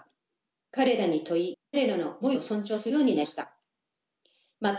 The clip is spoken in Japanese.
彼らに問い彼らの思いを尊重するようになりました。